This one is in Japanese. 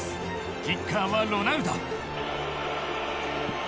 キッカーはロナウド。